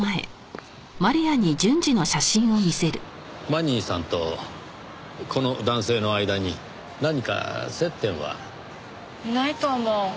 マニーさんとこの男性の間に何か接点は？ないと思う。